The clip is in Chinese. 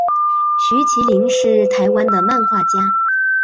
徐麒麟是台湾的漫画家。